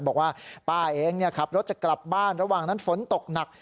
บอกว่าป้าเองขับรถจะกลับบ้านระหว่างนั้นฝนตกหนัก